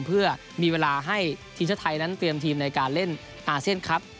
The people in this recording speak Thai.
เพื่อมีเวลาให้ทีมชาติไทยนั้นเตรียมทีมในการเล่นอาเซียนครับ